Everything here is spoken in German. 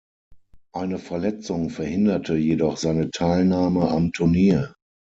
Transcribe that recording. Eine Verletzung verhinderte jedoch seine Teilnahme am Turnier.